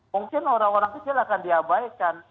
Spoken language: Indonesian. mungkin orang orang kecil akan diabaikan